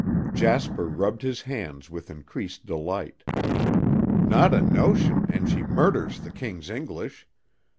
Jasper rubbed his hands with increased delight. "Not a notion and she murders the King's English.